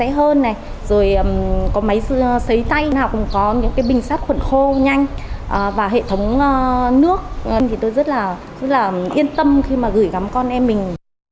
xạ hơn này rồi có máy xấy tay nào cũng có những cái bình sát khuẩn khô nhanh và hệ thống nước thì tôi rất là yên tâm khi mà gửi gắm con em mình